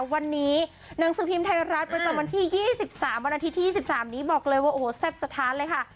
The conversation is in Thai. วันนี้หนังสือพิมพ์ไทยรัฐประจำวันที่๒๓วันอาทิตยที่๒๓นี้บอกเลยว่าโอ้โหแซ่บสถานเลยค่ะ